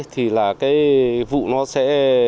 thì là cái vụ nó sẽ